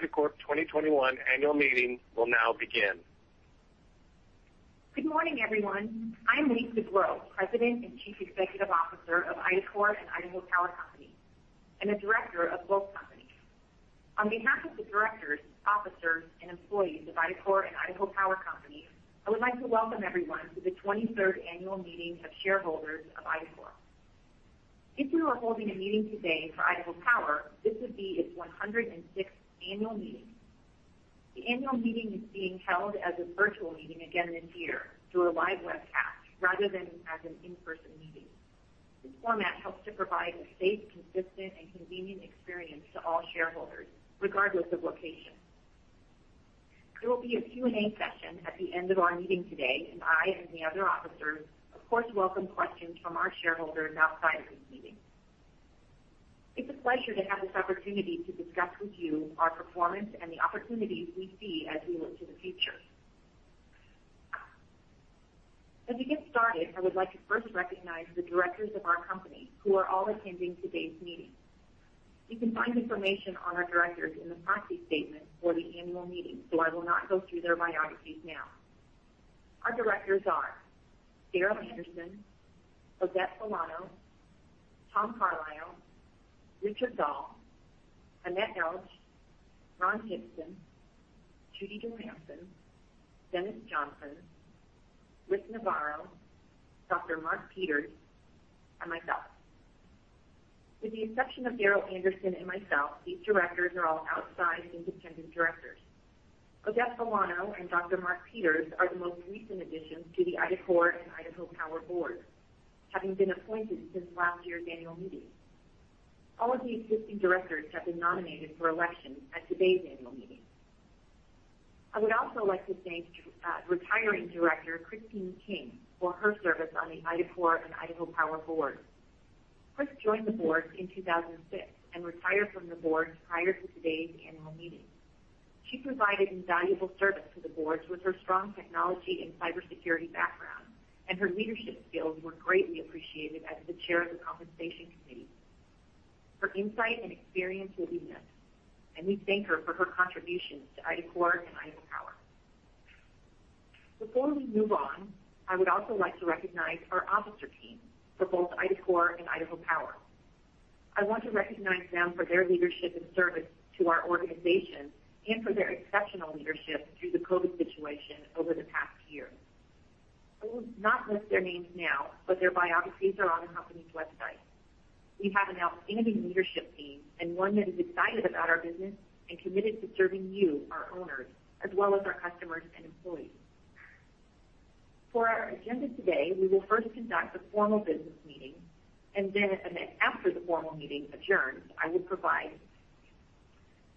The IDACORP 2021 annual meeting will now begin. Good morning, everyone. I'm Lisa Grow, President and Chief Executive Officer of IDACORP and Idaho Power Company, and a director of both companies. On behalf of the directors, officers, and employees of IDACORP and Idaho Power Company, I would like to welcome everyone to the 23rd Annual Meeting of Shareholders of IDACORP. If we were holding a meeting today for Idaho Power, this would be its 106th annual meeting. The annual meeting is being held as a virtual meeting again this year through a live webcast rather than as an in-person meeting. This format helps to provide a safe, consistent, and convenient experience to all shareholders, regardless of location. There will be a Q&A session at the end of our meeting today, and I and the other officers, of course, welcome questions from our shareholders now prior to this meeting. It's a pleasure to have this opportunity to discuss with you our performance and the opportunities we see as we look to the future. As we get started, I would like to first recognize the directors of our company who are all attending today's meeting. You can find information on our directors in the proxy statement for the annual meeting, so I will not go through their biographies now. Our directors are Darrel Anderson, Odette Bolano, Tom Carlisle, Richard Dahl, Annette Elg, Ronald Jibson, Judy Johnson, Dennis Johnson, Rick Navarro, Dr. Mark Peters, and myself. With the exception of Darrel Anderson and myself, these directors are all outside independent directors. Odette Bolano and Dr. Mark Peters are the most recent additions to the IDACORP and Idaho Power board, having been appointed since last year's annual meeting. All of the existing directors have been nominated for election at today's annual meeting. I would also like to thank retiring director Christine King for her service on the IDACORP and Idaho Power board. Chris joined the board in 2006 and retired from the board prior to today's annual meeting. She provided invaluable service to the boards with her strong technology and cybersecurity background, and her leadership skills were greatly appreciated as the chair of the Compensation Committee. Her insight and experience will be missed, and we thank her for her contributions to IDACORP and Idaho Power. Before we move on, I would also like to recognize our officer team for both IDACORP and Idaho Power. I want to recognize them for their leadership and service to our organizations and for their exceptional leadership through the COVID situation over the past year. I will not list their names now, but their biographies are on the company's website. We have an outstanding leadership team and one that is excited about our business and committed to serving you, our owners, as well as our customers and employees. For our agenda today, we will first conduct a formal business meeting and then after the formal meeting adjourns, I will provide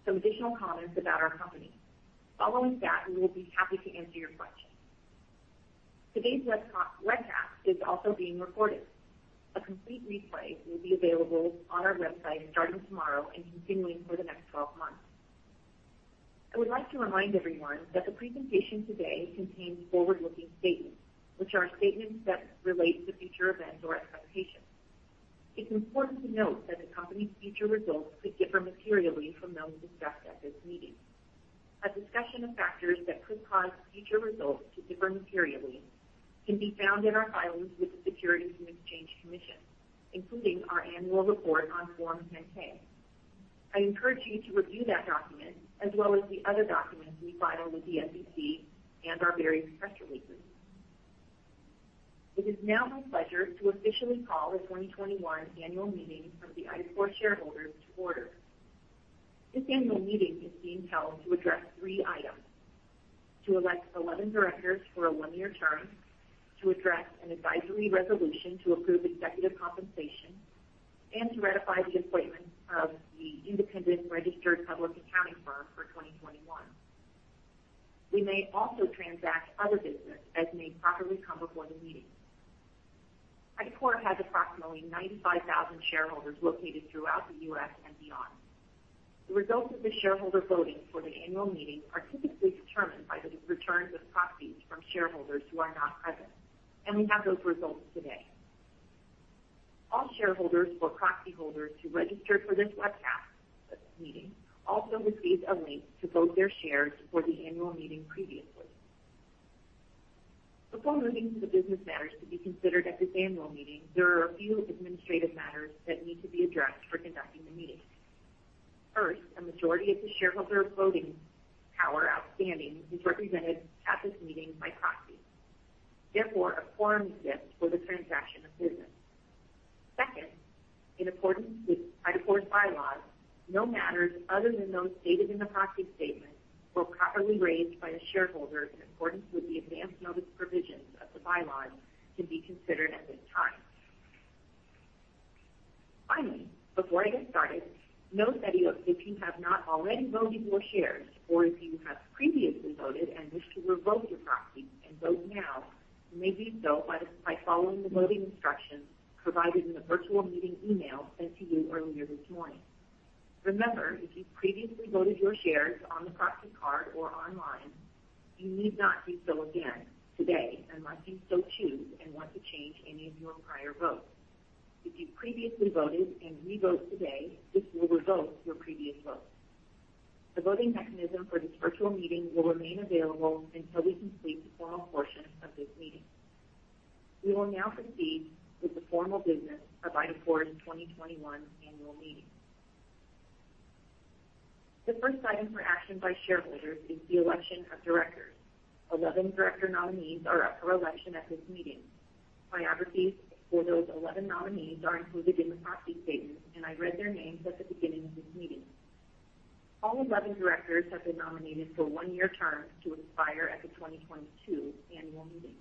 some additional comments about our company. Following that, we'll be happy to answer your questions. Today's webcast is also being recorded. A complete replay will be available on our website starting tomorrow and continuing for the next 12 months. I would like to remind everyone that the presentation today contains forward-looking statements, which are statements that relate to future events or expectations. It's important to note that the company's future results could differ materially from those discussed at this meeting. A discussion of factors that could cause future results to differ materially can be found in our filings with the Securities and Exchange Commission, including our annual report on Form 10-K. I encourage you to review that document as well as the other documents we file with the SEC and our various press releases. It is now my pleasure to officially call the 2021 annual meeting of the IDACORP shareholders to order. This annual meeting is being held to address three items: to elect 11 directors for a one-year term, to address an advisory resolution to approve executive compensation, and to ratify the appointment of the independent registered public accounting firm for 2021. We may also transact other business as may properly come before the meeting. IDACORP has approximately 95,000 shareholders located throughout the U.S. and beyond. The results of the shareholder voting for the annual meeting are typically determined by the returns of proxies from shareholders who are not present, and we have those results today. All shareholders or proxy holders who registered for this webcast meeting also received a link to vote their shares for the annual meeting previously. Before moving to the business matters to be considered at this annual meeting, there are a few administrative matters that need to be addressed for conducting the meeting. First, a majority of the shareholder voting power outstanding is represented at this meeting by proxy. Therefore, a forum is set for the transaction of business. Second, in accordance with IDACORP's bylaws, no matters other than those stated in the proxy statement were properly raised by a shareholder in accordance with the advance notice provisions of the bylaws to be considered at this time. Finally, before I get started, note that if you have not already voted your shares, or if you have previously voted and wish to revoke your proxy and vote now, you may do so by following the voting instructions provided in the virtual meeting email sent to you earlier this morning. Remember, if you previously voted your shares on a proxy card or online, you need not do so again today unless you so choose and want to change any of your prior votes. If you previously voted and re-vote today, this will revoke your previous vote. The voting mechanism for this virtual meeting will remain available until we complete the formal portion of this meeting. We will now proceed with the formal business of IDACORP's 2021 annual meeting. The first item for action by shareholders is the election of directors. 11 director nominees are up for election at this meeting. Biographies for those 11 nominees are included in the proxy statement. I read their names at the beginning of this meeting. All 11 directors have been nominated for one-year terms to expire at the 2022 annual meeting.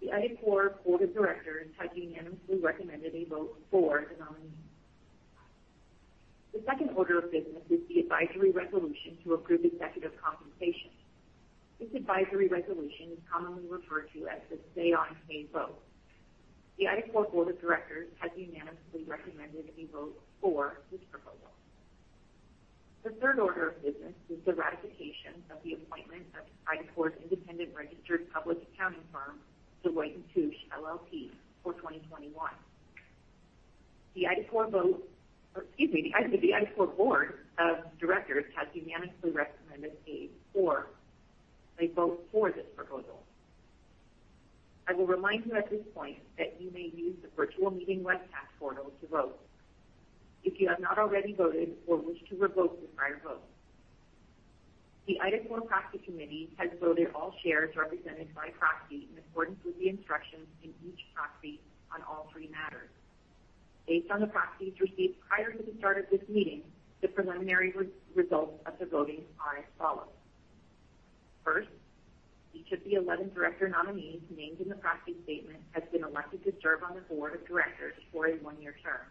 The IDACORP board of directors has unanimously recommended a vote for the nominees. The second order of business is the advisory resolution to approve executive compensation. This advisory resolution is commonly referred to as the say-on-pay vote. The IDACORP board of directors has unanimously recommended a vote for this proposal. The third order of business is the ratification of the appointment of IDACORP's independent registered public accounting firm, Deloitte & Touche LLP, for 2021. The IDACORP board of directors has unanimously recommended a vote for this proposal. I will remind you at this point that you may use the virtual meeting web portal to vote if you have not already voted or wish to revoke your prior vote. The IDACORP Proxy Committee has voted all shares represented by proxy in accordance with the instructions in each proxy on all three matters. Based on the proxies received prior to the start of this meeting, the preliminary results of the voting are as follows. First, each of the 11 director nominees named in the proxy statement has been elected to serve on the board of directors for a one-year term.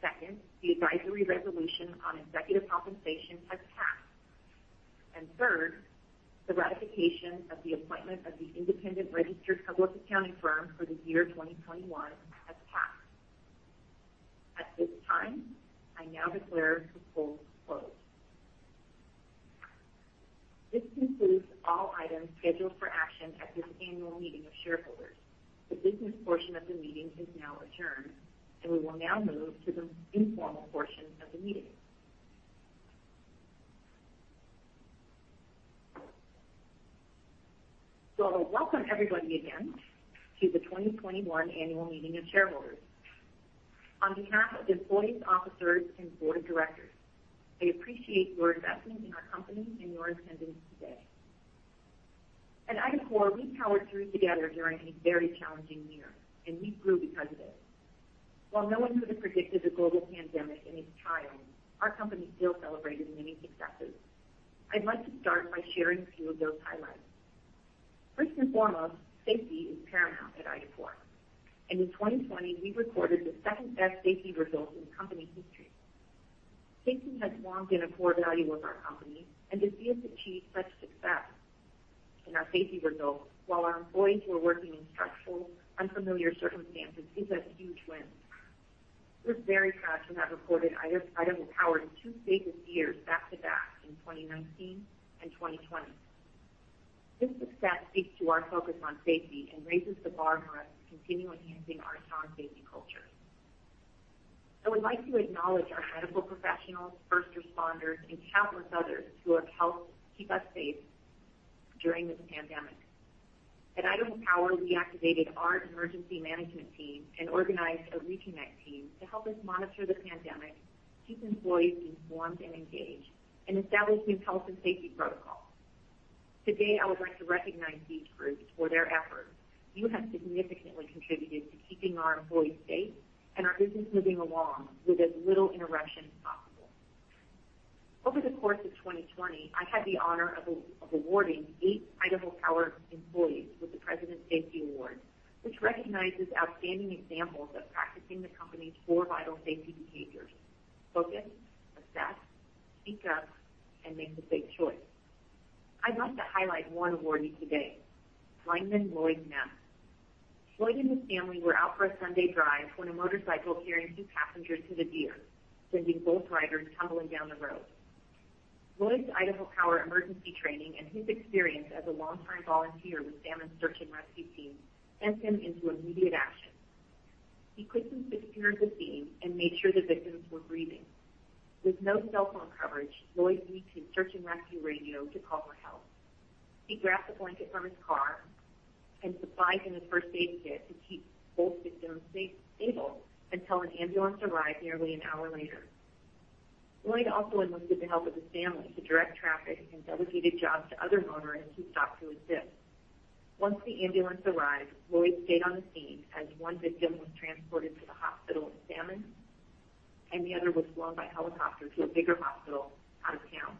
Second, the advisory resolution on executive compensation has passed. Third, the ratification of the appointment of the independent registered public accounting firm for the year 2021 has passed. At this time, I now declare the polls closed. This concludes all items scheduled for action at this annual meeting of shareholders. The business portion of the meeting is now adjourned, and we will now move to the informal portion of the meeting. Welcome everybody again to the 2021 annual meeting of shareholders. On behalf of employees, officers, and Board of Directors, I appreciate your investment in our company and your attendance today. At IDACORP, we powered through together during a very challenging year, and we proved resilient. While no one could have predicted the global pandemic and its timing, our company still celebrated many successes. I'd like to start by sharing a few of those highlights. First and foremost, safety is paramount at IDACORP. In 2020, we recorded the second-best safety result in company history. Safety has long been a core value of our company, and to be able to achieve such success in our safety results while our employees were working in stressful, unfamiliar circumstances is a huge win. This very fact that we recorded Idaho Power's two safest years back-to-back in 2019 and 2020. This success speaks to our focus on safety and raises the bar for us to continue enhancing our strong safety culture. I would like to acknowledge our incredible professionals, first responders, and countless others who have helped keep us safe during this pandemic. At Idaho Power, we activated our emergency management team and organized a reconnect team to help us monitor the pandemic, keep employees informed and engaged, and establish new health and safety protocols. Today, I would like to recognize these groups for their efforts. You have significantly contributed to keeping our employees safe and our business moving along with as little interruption as possible. Over the course of 2020, I had the honor of awarding eight Idaho Power employees with the President's Safety Award, which recognizes outstanding examples of practicing the company's four vital safety behaviors: focus, assess, speak up, and make the safe choice. I'd like to highlight one awardee today, Lineman Lloyd Ness. Lloyd and his family were out for a Sunday drive when a motorcycle carrying two passengers hit a deer, sending both riders tumbling down the road. Lloyd's Idaho Power emergency training and his experience as a longtime volunteer with Salmon Search and Rescue team sent him into immediate action. He quickly secured the scene and made sure the victims were breathing. With no cell phone coverage, Lloyd used his search and rescue radio to call for help. He grabbed a blanket from his car and supplies in a first aid kit to keep both victims stable until an ambulance arrived nearly an hour later. Lloyd also enlisted the help of his family to direct traffic and delegated jobs to other motorists who stopped to assist. Once the ambulance arrived, Lloyd stayed on scene as one victim was transported to the hospital in Salmon and the other was flown by helicopter to a bigger hospital out of town.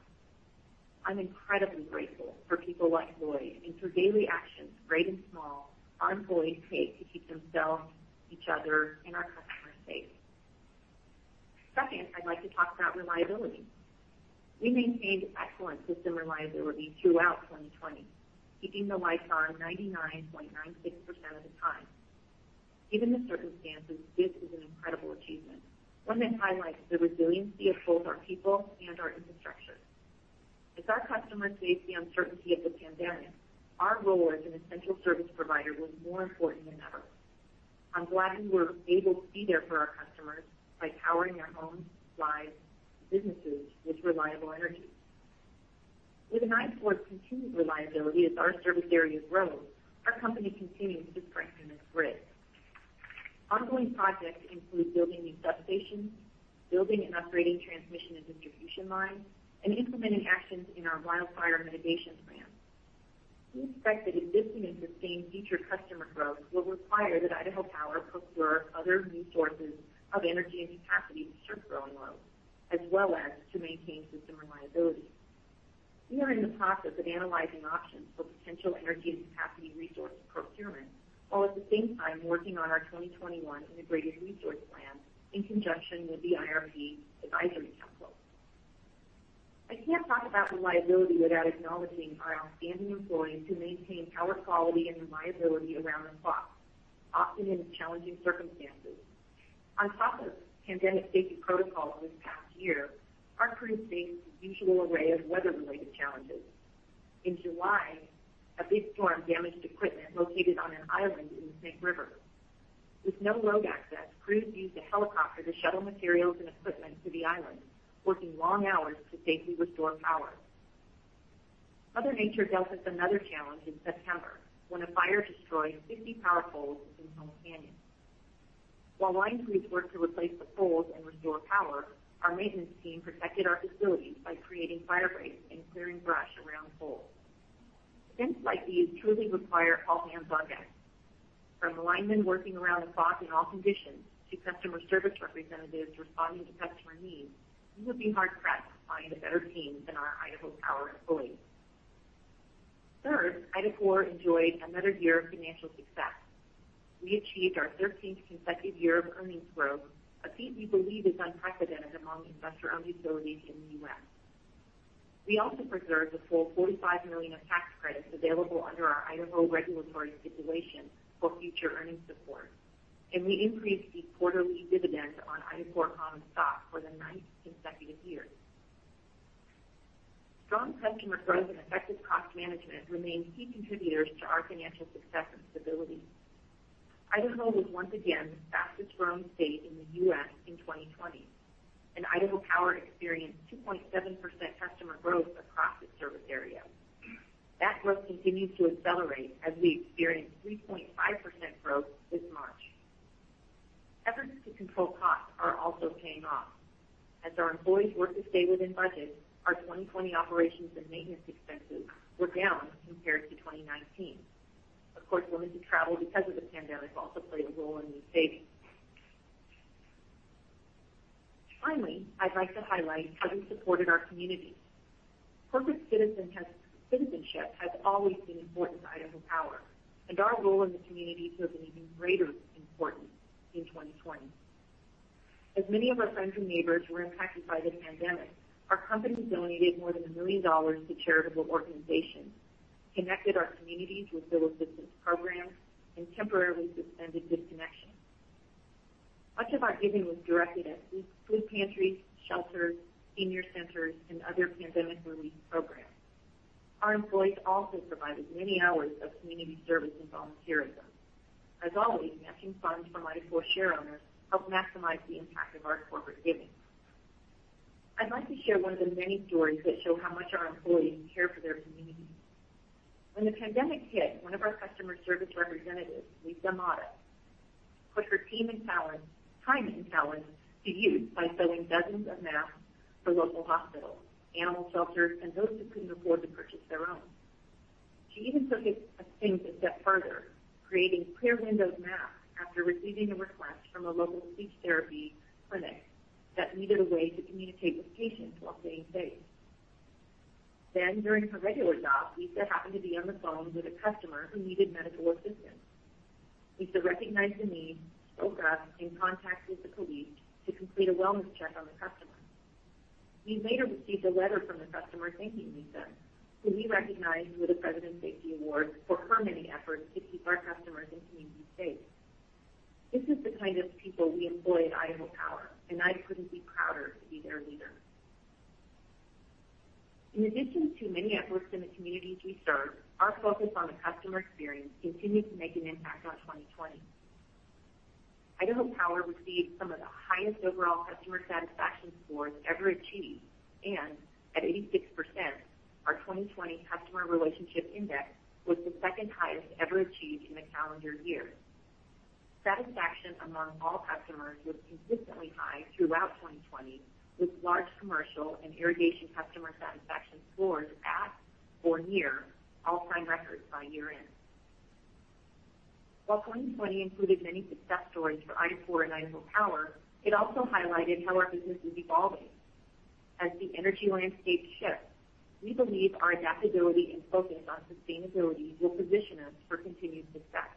I'm incredibly grateful for people like Lloyd and for daily actions great and small our employees take to keep themselves, each other, and our customers safe. Second, I'd like to talk about reliability. We maintained excellent system reliability throughout 2020, keeping the lights on 99.96% of the time. Given the circumstances, let me highlight the resiliency of both our people and our infrastructure. As our customers faced the uncertainty of the pandemic, our role as an essential service provider was more important than ever. I'm glad we were able to be there for our customers by powering their homes, lives, and businesses with reliable energy. We denied for continued reliability as our service area has grown. Our company continues to strengthen its grid. Ongoing projects include building new substations, building and upgrading transmission and distribution lines, and implementing actions in our wildfire mitigation plan. We expect that existing and sustained future customer growth will require that Idaho Power procure other resources of energy and capacity to serve growing loads, as well as to maintain system reliability. We are in the process of analyzing options for potential energy and capacity resource procurement, while at the same time working on our 2021 Integrated Resource Plan in conjunction with the IRP Advisory Council. I can't talk about reliability without acknowledging our outstanding employees who maintain power quality and reliability around the clock, often in challenging circumstances. On top of pandemic safety protocols this past year, our crews faced the usual array of weather-related challenges. In July, a big storm damaged equipment located on an island in the Snake River. With no road access, crews used a helicopter to shuttle materials and equipment to the island, working long hours to safely restore power. Other nature dealt us another challenge in September when a fire destroyed 50 power poles in Home Canyon. While line crews worked to replace the poles and restore power, our maintenance team protected our facilities by creating fire breaks and clearing brush around poles. Incidents like these truly require all hands on deck. From linemen working around the clock in all conditions to customer service representatives responding to customer needs, you would be hard-pressed finding a better team than our Idaho Power employees. Third, IDACORP enjoyed another year of financial success. We achieved our 13th consecutive year of earnings growth, a feat we believe is unprecedented among investor-owned utilities in the U.S. We also preserved a full $45 million of tax credits available under our Idaho regulatory stipulation for future earnings support, and we increased the quarterly dividend on IDACORP common stock for the ninth consecutive year. Strong customer growth and effective cost management remain key contributors to our financial success and stability. Idaho was once again the fastest growing state in the U.S. in 2020, and Idaho Power experienced 2.7% customer growth across its service area. That growth continued to accelerate as we experienced 3.5% growth this March. Efforts to control costs are also paying off. As our employees work to stay within budget, our 2020 operations and maintenance expenses were down compared to 2019. Of course, limited travel because of the pandemic also played a role in these savings. Finally, I'd like to highlight how we supported our community. Corporate citizenship has always been important to Idaho Power, and our role in the community took on even greater importance in 2020. As many of our friends and neighbors were impacted by the pandemic, our company donated more than $1 million to charitable organizations, connected our communities with bill assistance programs, and temporarily suspended disconnections. Much of our giving was directed at food pantries, shelters, senior centers, and other pandemic relief programs. Our employees also provided many hours of community service and volunteerism. As always, matching funds from IDACORP shareowners helped maximize the impact of our corporate giving. I'd like to share one of the many stories that show how much our employees care for their communities. When the pandemic hit, one of our customer service representatives, Lisa Mata, put her time and talents to use by sewing dozens of masks for local hospitals, animal shelters, and those who couldn't afford to purchase their own. She even took things a step further, creating clear windows masks after receiving a request from a local speech therapy clinic that needed a way to communicate with patients while staying safe. During her regular job, Lisa happened to be on the phone with a customer who needed medical assistance. Lisa recognized the need, spoke up, and contacted the police to complete a wellness check on the customer. We later received a letter from the customer thanking Lisa, who we recognized with a President's Safety Award for her many efforts to keep our customers and community safe. This is the kind of people we employ at Idaho Power, and I couldn't be prouder to be their leader. In addition to many efforts in the communities we serve, our focus on the customer experience continued to make an impact on 2020. Idaho Power received some of the highest overall customer satisfaction scores ever achieved, and at 86%, our 2020 Customer Relationship Index was the second highest ever achieved in a calendar year. Satisfaction among all customers was consistently high throughout 2020, with large commercial and irrigation customer satisfaction scores at or near all-time records by year-end. While 2020 included many success stories for IDACORP and Idaho Power, it also highlighted how our business is evolving. As the energy landscape shifts, we believe our adaptability and focus on sustainability will position us for continued success.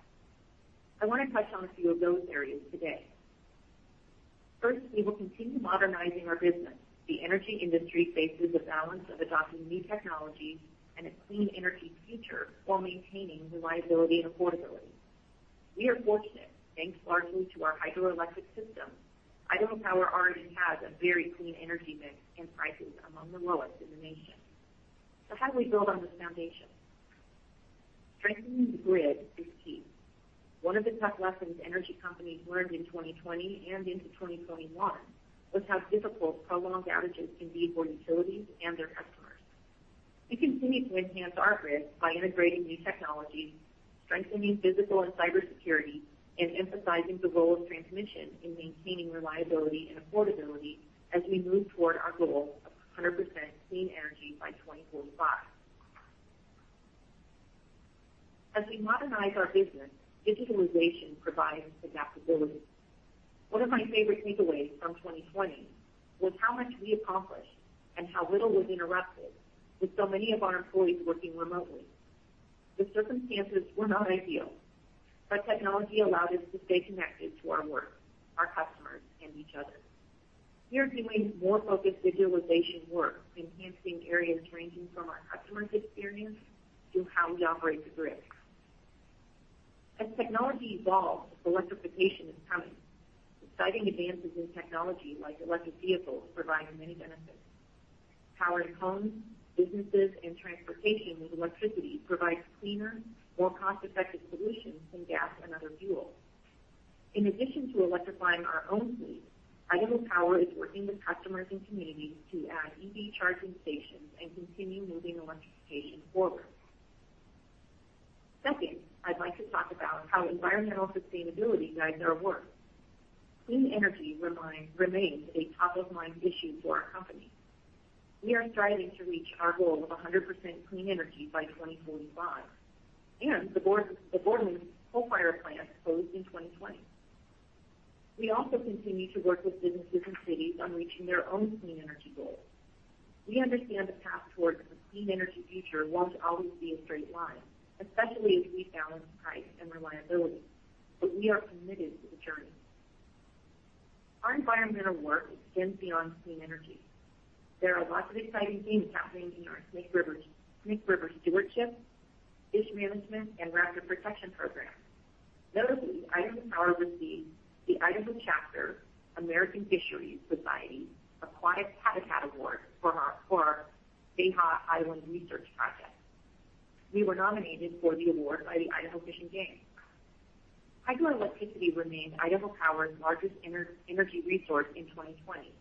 I want to touch on a few of those areas today. First, we will continue modernizing our business. The energy industry faces a balance of adopting new technologies and a clean energy future while maintaining reliability and affordability. We are fortunate, thanks largely to our hydroelectric system, Idaho Power already has a very clean energy mix and prices among the lowest in the nation. How do we build on this foundation? Strengthening the grid is key. One of the tough lessons energy companies learned in 2020 and into 2021 was how difficult prolonged outages can be for utilities and their customers. We continue to enhance our grid by integrating new technologies, strengthening physical and cybersecurity, and emphasizing the role of transmission in maintaining reliability and affordability as we move toward our goal of 100% clean energy by 2045. As we modernize our business, digitalization provides adaptability. One of my favorite takeaways from 2020 was how much we accomplished and how little was interrupted with so many of our employees working remotely. The circumstances were not ideal, but technology allowed us to stay connected to our work, our customers, and each other. We are doing more focused digitalization work, enhancing areas ranging from our customer experience to how we operate the grid. As technology evolves, electrification is coming. Exciting advances in technology like electric vehicles provide many benefits. Powering homes, businesses, and transportation with electricity provides cleaner, more cost-effective solutions than gas and other fuels. In addition to electrifying our own fleet, Idaho Power is working with customers and communities to add EV charging stations and continue moving electrification forward. Second, I'd like to talk about how environmental sustainability guides our work. Clean energy remains a top-of-mind issue for our company. We are striving to reach our goal of 100% clean energy by 2045, and the board made its coal-fired plant close in 2020. We also continue to work with businesses and cities on reaching their own clean energy goals. We understand the path towards a clean energy future won't always be a straight line, especially as we balance price and reliability, but we are committed to the journey. Our environmental work extends beyond clean energy. There are lots of exciting things happening in our Snake River Stewardship, Fish Management, and Raptor Protection programs. Notably, Idaho Power received the Idaho Chapter American Fisheries Society Aquatic Habitat Award for our Payette Island Research Project. We were nominated for the award by the Idaho Fish and Game. Hydroelectricity remained Idaho Power's largest energy resource in 2020,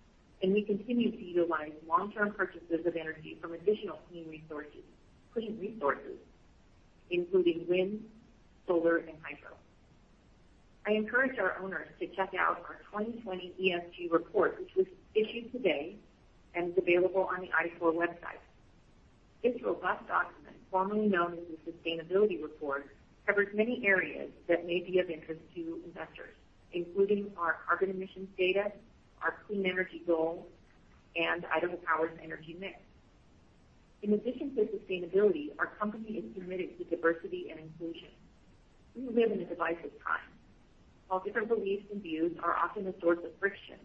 and we continue to utilize long-term purchases of energy from additional clean resources, including wind, solar, and hydro. I encourage our owners to check out our 2020 ESG report, which was issued today and is available on the IDACORP website. This robust document, formally known as a sustainability report, covers many areas that may be of interest to investors, including our carbon emissions data, our clean energy goals, and Idaho Power's energy mix. In addition to sustainability, our company is committed to diversity and inclusion. We live in a divisive time. While different beliefs and views are often a source of friction,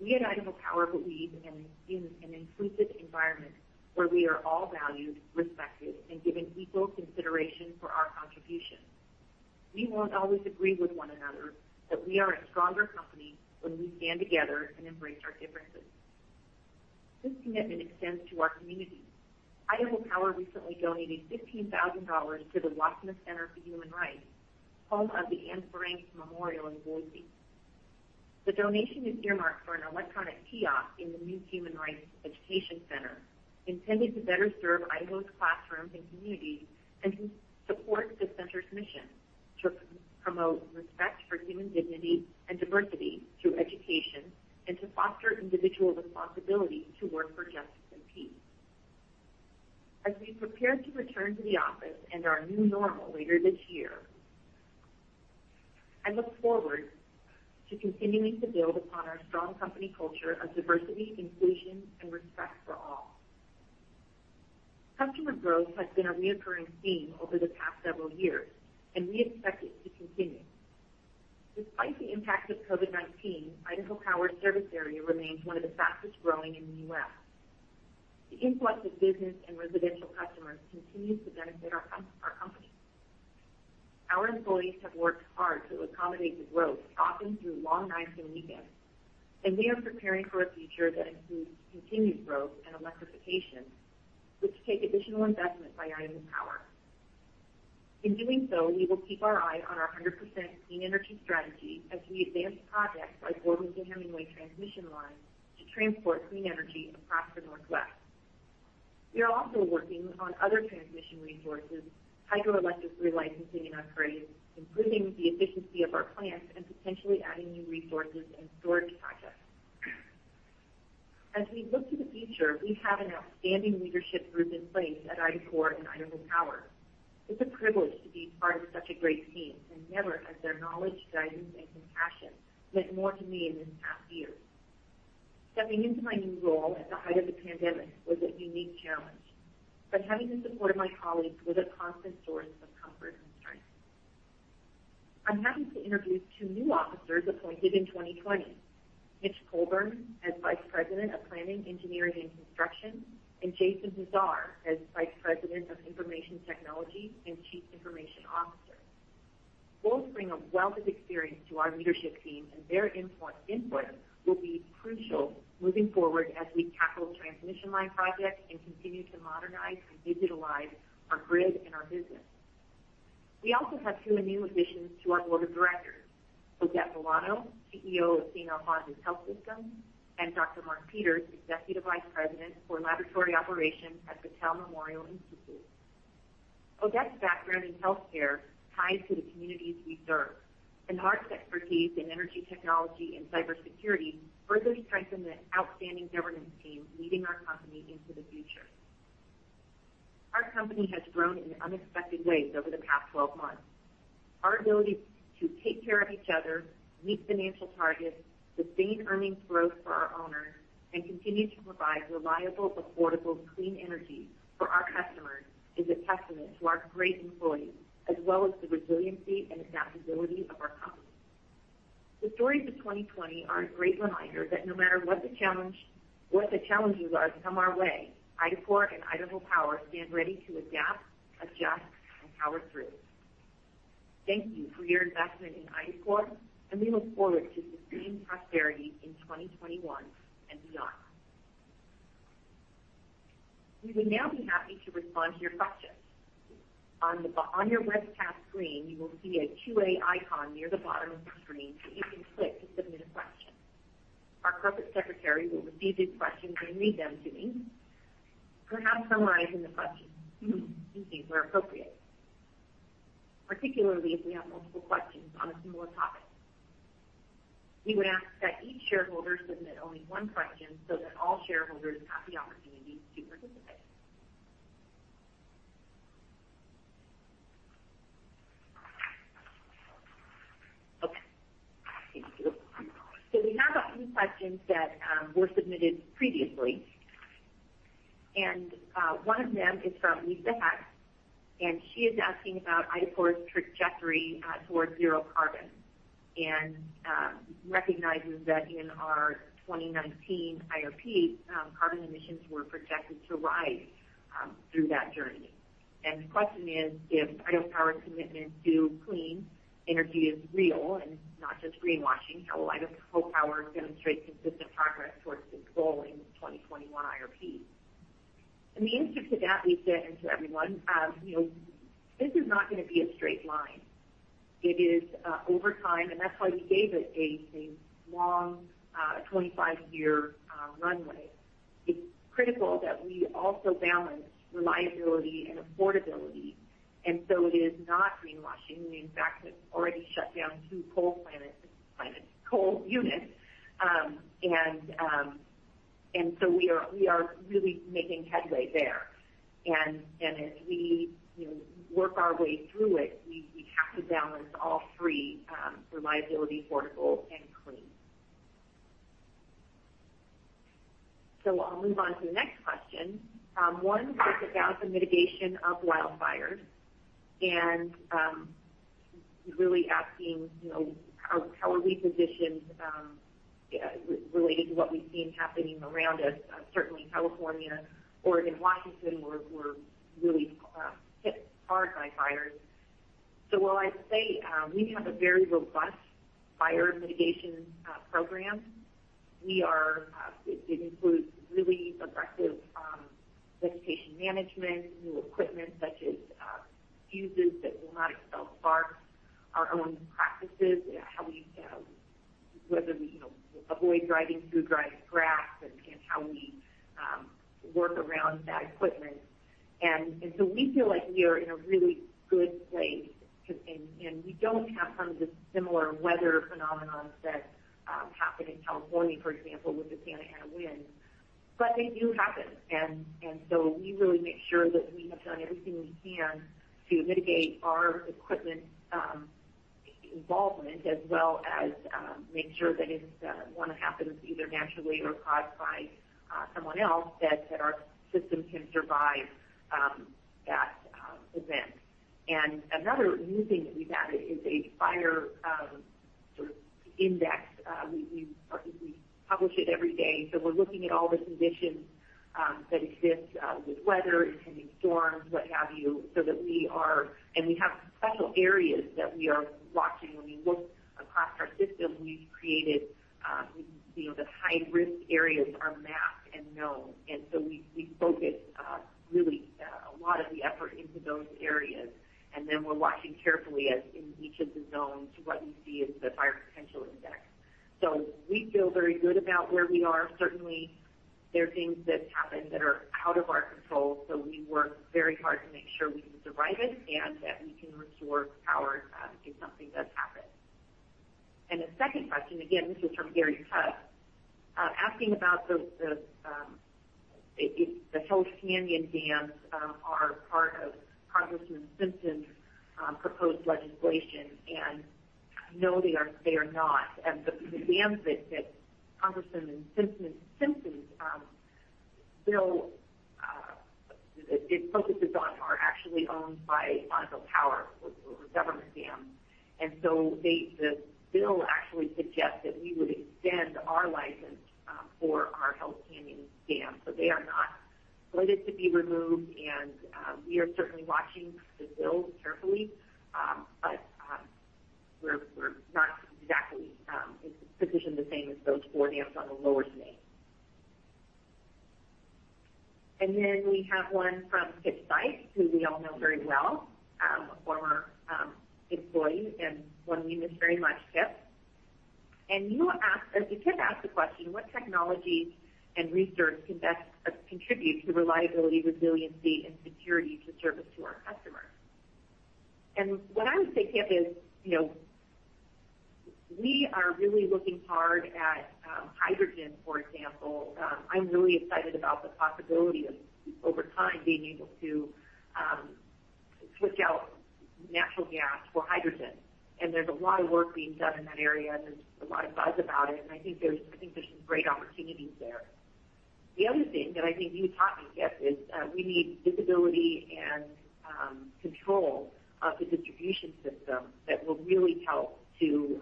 we at Idaho Power believe in an inclusive environment where we are all valued, respected, and given equal consideration for our contributions. We won't always agree with one another, but we are a stronger company when we stand together and embrace our differences. This commitment extends to our community. Idaho Power recently donated $15,000 to the Wassmuth Center for Human Rights, home of the Anne Frank Memorial in Boise. The donation is earmarked for an electronic kiosk in the new Human Rights Education Center, intended to better serve Idaho's classrooms and communities, and supports the center's mission to promote respect for human dignity and diversity through education and to foster individual responsibility to work for justice and peace. As we prepare to return to the office in our new normal later this year, I look forward to continuing to build upon our strong company culture of diversity, inclusion, and respect for all. Customer growth has been a reoccurring theme over the past several years, and we expect it to continue. Despite the impact of COVID-19, Idaho Power's service area remains one of the fastest growing in the U.S. The influx of business and residential customers continues to benefit our company. Our employees have worked hard to accommodate the growth, often through long nights and weekends, and we are preparing for a future that includes continued growth and electrification, which take additional investment by Idaho Power. In doing so, we will keep our eye on our 100% clean energy strategy as we advance projects like building the Hemingway transmission line to transport clean energy across the Northwest. We are also working on other transmission resources, hydroelectric relicensing upgrades, improving the efficiency of our plants, and potentially adding new resources and storage projects. As we look to the future, we have an outstanding leadership group in place at IDACORP and Idaho Power. It's a privilege to be part of such a great team, and never has their knowledge, guidance, and compassion meant more to me than in this past year. Stepping into my new role at the height of the pandemic was a unique challenge, but having the support of my colleagues was a constant source of comfort and strength. I'm happy to introduce two new officers appointed in 2020. Mitch Colburn as Vice President of Planning, Engineering, and Construction, and Jason Huszar as Vice President of Information Technology and Chief Information Officer. Both bring a wealth of experience to our leadership team, and their important input will be crucial moving forward as we tackle transmission line projects and continue to modernize and digitalize our grid and our business. We also have two new additions to our Board of Directors. Odette Bolano, CEO of Saint Alphonsus Health System, and Dr. Mark Peters, Executive Vice President for Laboratory Operations at Battelle Memorial Institute. Odette's background in healthcare ties to the communities we serve, and Mark's expertise in energy technology and cybersecurity further strengthen the outstanding governance team leading our company into the future. Our company has grown in unexpected ways over the past 12 months. Our ability to take care of each other, meet financial targets, sustain earnings growth for our owners, and continue to provide reliable, affordable, clean energy for our customers is a testament to our great employees, as well as the resiliency and adaptability of our company. The stories of 2020 are a great reminder that no matter what the challenges are that come our way, IDACORP and Idaho Power stand ready to adapt, adjust, and power through. Thank you for your investment in IDACORP, and we look forward to sustained prosperity in 2021 and beyond. We would now be happy to respond to your questions. On your webcast screen, you will see a Q&A icon near the bottom of the screen that you can click to submit a question. Our corporate secretary will receive these questions and read them to me. Perhaps summarizing the questions we think were appropriate, particularly if we have multiple questions on a similar topic. We would ask that each shareholder submit only one question so that all shareholders have the opportunity to participate. Okay. Thank you. We have a few questions that were submitted previously, and one of them is from Lisa, and she is asking about IDACORP's trajectory towards zero carbon. Recognizes that in our 2019 IRP, carbon emissions were projected to rise through that journey. The question is, if Idaho Power's commitment to clean energy is real and not just greenwashing, how might Idaho Power demonstrate consistent progress towards this goal in the 2021 IRP? The answer to that, Lisa, and to everyone, this is not going to be a straight line. It is over time, and that's why we gave it a long, 25-year runway. It's critical that we also balance reliability and affordability. It is not greenwashing. We, in fact, have already shut down two coal units. We are really making headway there. As we work our way through it, we have to balance all three, reliability, affordable, and clean. I'll move on to the next question. One is about the mitigation of wildfires and really asking how are we positioned related to what we've seen happening around us. Certainly California, Oregon, Washington were really hit hard by fires. While I say we have a very robust fire mitigation program. It includes really aggressive vegetation management, new equipment such as fuses that will not spark, our own practices, whether we avoid driving through dry grass and how we work around bad equipment. We feel like we are in a really good place, and we don't have some of the similar weather phenomena that happen in California, for example, with the Santa Ana winds, but they do happen. We really make sure that we have done everything we can to mitigate our equipment involvement as well as make sure that if one happens, either naturally or caused by someone else, that our system can survive that event. Another new thing that we've added is a Fire Index. We publish it every day. We're looking at all the conditions that exist with weather, impending storms, what have you. We have some special areas that we are watching. When we look across our system, we've created the high-risk areas are mapped and known. We focus really a lot of the effort into those areas. We're watching carefully in each of the zones what we see is the Fire Potential Index. We feel very good about where we are. Certainly, there are things that happen that are out of our control. We work very hard to make sure we can provide it and that we can restore power if something does happen. The second question, again, this is from Gary Todd, asking about if the Hells Canyon dams are part of Congressman Simpson's proposed legislation, and no, they are not. The dams that Congressman Simpson's bill focuses on are actually owned by Idaho Power, so it's a government dam. The bill actually suggests that we would extend our license for our Hells Canyon dam. They are not slated to be removed and we are certainly watching the bill carefully. We're not exactly in the position the same as those four dams on the lower Snake. We have one from Kip Sikes, who we all know very well, a former employee and one we miss very much, Kip. You did ask the question, what technology and research can best contribute to the reliability, resiliency, and security to service to our customers? What I would say, Kip, is we are really looking hard at hydrogen, for example. I'm really excited about the possibility of, over time, being able to switch out natural gas for hydrogen. There's a lot of work being done in that area. There's a lot of buzz about it, and I think there's some great opportunities there. The other thing that I think you'd copy, Kip, is we need visibility and control of the distribution system that will really help to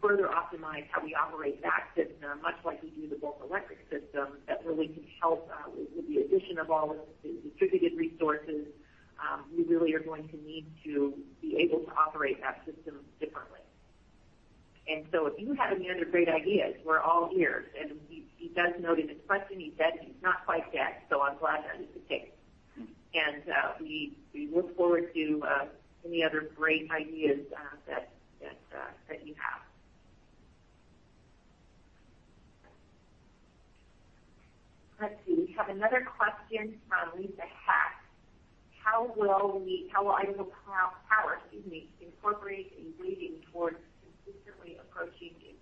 further optimize how we operate that system, much like we do the bulk electric system that really can help with the addition of all the distributed resources. We really are going to need to be able to operate that system differently. If you have any other great ideas, we're all ears. He does note in his question, he says he's not quite yet, so I'm glad to hear he's staying. We look forward to any other great ideas that you have. Let's see. We have another question from Lisa Hack. How will Idaho Power, excuse me, incorporate a weighting towards consistently approaching its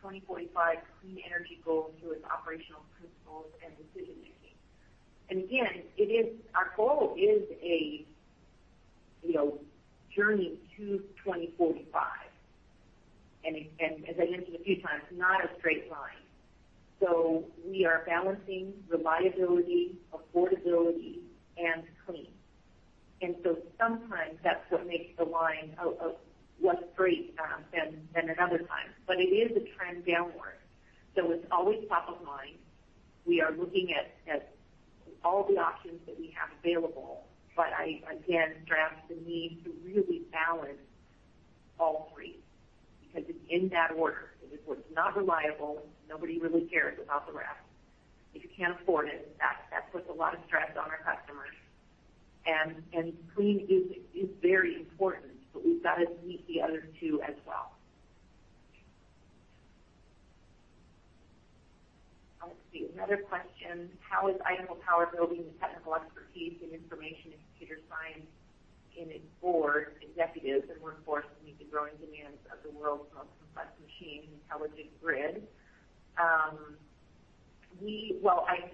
2045 clean energy goal through its operational principles and decision-making? Again, our goal is a journey to 2045. As I mentioned a few times, not a straight line. We are balancing reliability, affordability, and clean. Sometimes that's what makes the line less straight than other times. It is a trend downward. It's always top of mind. We are looking at all the options that we have available. Again, stress the need to really balance all three, because it's in that order. If it's not reliable, nobody really cares about the rest. If you can't afford it, that puts a lot of stress on our customers. Clean is very important, but we've got to meet the other two as well. Let's see, another question. How is Idaho Power building its technical expertise in information and computer science in its board, executives, and workforce to meet the growing demands of the world's most complex machine, the intelligent grid?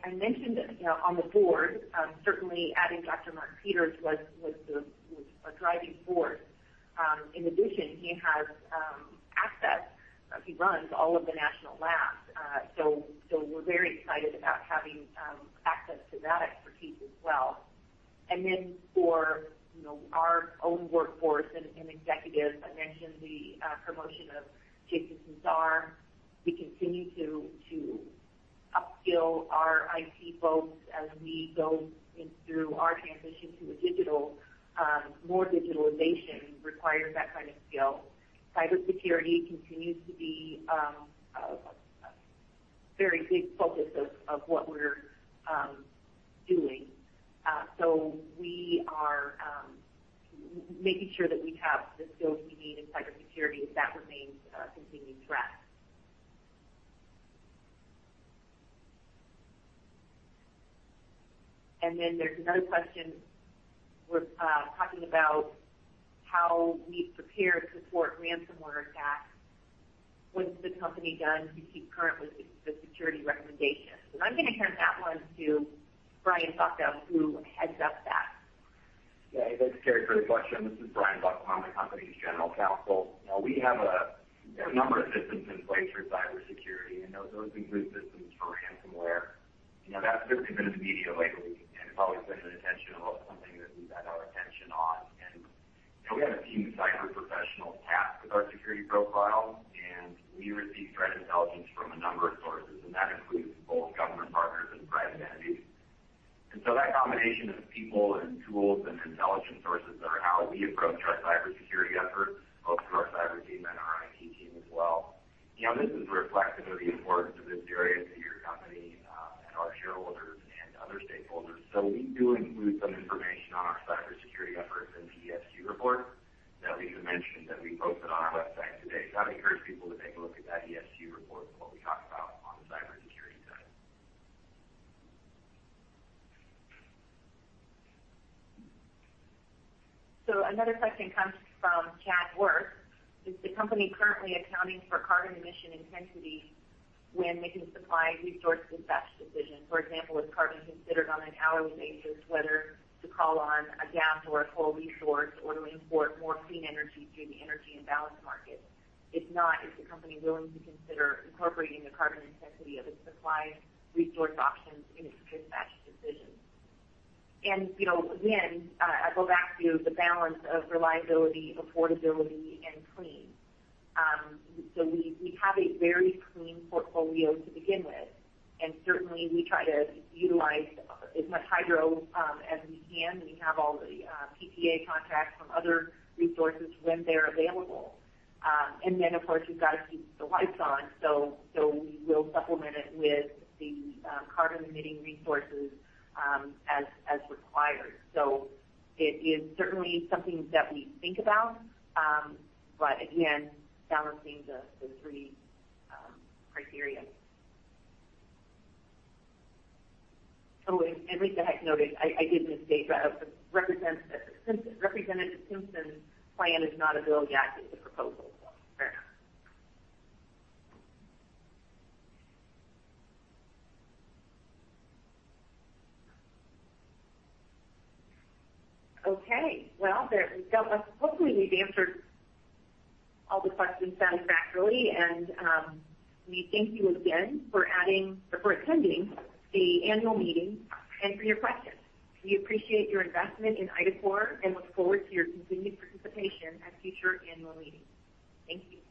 I mentioned this. On the board, certainly adding Dr. Mark Peters was a driving force. In addition, he has access. He runs all of the national labs. We're very excited about having access to that expertise as well. For our own workforce and executives, I mentioned the promotion of Jake Sussman. We continue to upskill our IT folks as we go through our transition to more digitalization requiring that kind of skill. Cybersecurity continues to be a very big focus of what we're doing. We are making sure that we have the skills we need in cybersecurity, as that remains a continuing threat. There's another question talking about how we prepare to support ransomware attacks. What's the company done to keep current with the security recommendations? I'm going to turn that one to Brian Buckham, who heads up that. Yeah. Thanks, Ker, great question. This is Brian Buckham, I'm the company's General Counsel. We have a number of systems in place for cybersecurity. Those include systems for ransomware. That's been an issue lately, and it's always been something that we've had our attention on. We have a team of cyber professionals tasked with our security profile, and we receive threat intelligence from a number of sources, and that includes both government partners and private entities. So that combination of people and tools and intelligence sources are how we approach our cybersecurity efforts, both through our cyber team and our IT team as well. This is reflective of the importance of this area to your company and our shareholders and other stakeholders. We do include some information on our cybersecurity efforts in the ESG report that Lisa mentioned that we posted on our website today. I'd encourage people to take a look at that ESG report and what we talk about on the cybersecurity side. Another question comes from Kat Worth. Is the company currently accounting for carbon emission intensity when making supply resource dispatch decisions? For example, is carbon considered on an hourly basis whether to call on a gas or a coal resource, or to import more clean energy through the Western Energy Imbalance Market? If not, is the company willing to consider incorporating the carbon intensity of the supply resource options in its dispatch decisions? Again, I go back to the balance of reliability, affordability, and clean. We have a very clean portfolio to begin with, and certainly, we try to utilize as much hydro as we can. We have all the PPA contracts with other resources when they're available. Then, of course, we've got to keep the lights on. We will supplement it with the carbon-emitting resources, as required. It is certainly something that we think about. Again, balancing the three criteria. Lisa, I did mistake that. Representative Simpson's plan is not a bill yet. It's a proposal. Okay. Hopefully, we've answered all the questions adequately, and we thank you again for attending the annual meeting and for your questions. We appreciate your investment in IDACORP and look forward to your continued participation at future annual meetings. Thank you.